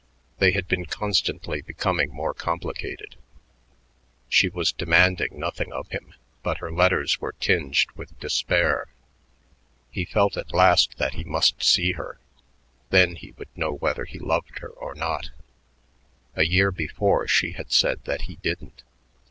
They had been constantly becoming more complicated. She was demanding nothing of him, but her letters were tinged with despair. He felt at last that he must see her. Then he would know whether he loved her or not. A year before she had said that he didn't.